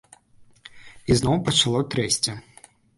І зноў пачало трэсці.